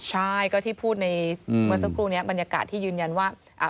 ใช่ก็ที่พูดในเมื่อสักครู่นี้บรรยากาศที่ยืนยันว่า